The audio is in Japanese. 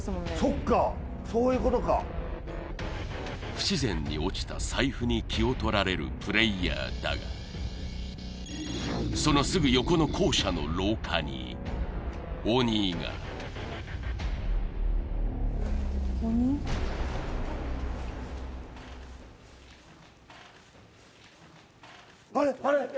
そっかそういうことか不自然に落ちた財布に気を取られるプレイヤーだがそのすぐ横の校舎の廊下に鬼があれあれ！